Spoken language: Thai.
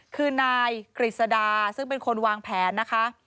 คือนายกฤษดาซึ่งเป็นคนวางแผนนะคะ